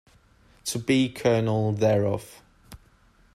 to be Colonel thereof.